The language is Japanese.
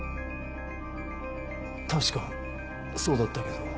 確かそうだったけど。